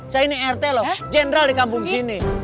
saya ini rt loh general dikambung sini